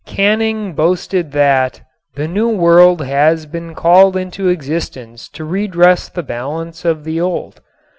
Canning boasted that "the New World had been called into existence to redress the balance of the Old."